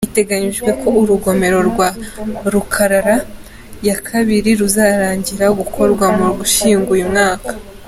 Biteganyijwe ko urugomero rwa Rukarara ya kabiri ruzarangira gukorwa mu Ugushyingo uyu mwaka.